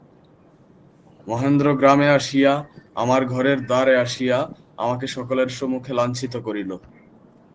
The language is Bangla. মহেন্দ্র গ্রামে আসিয়া, আমার ঘরের দ্বারে আসিয়া, আমাকে সকলের সম্মুখে লাজ্ঞিত করিল।